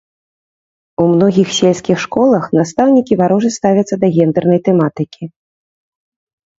У многіх сельскіх школах настаўнікі варожа ставяцца да гендэрнай тэматыкі.